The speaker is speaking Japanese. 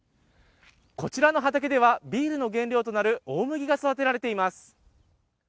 こちらの畑ではビールの原料となる大麦が育てられています。